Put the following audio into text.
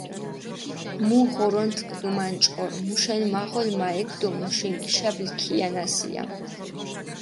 მუ ღორონთქ გჷმანჭყორ, მუშენ მაღოლ მა ექ დო მუშენ გიშაბლი ქიანასია.